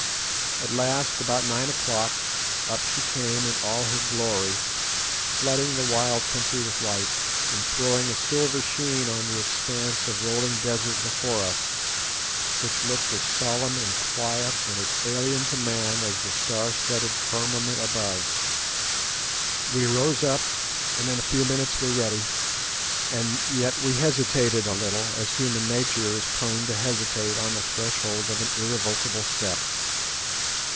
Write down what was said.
At last, about nine o'clock, up she came in all her glory, flooding the wild country with light, and throwing a silver sheen on the expanse of rolling desert before us, which looked as solemn and quiet and as alien to man as the star studded firmament above. We rose up, and in a few minutes were ready, and yet we hesitated a little, as human nature is prone to hesitate on the threshold of an irrevocable step.